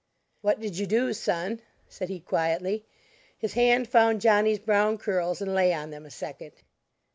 "What did you do, son?" said he quietly; his hand found Johnny's brown curls and lay on them a second.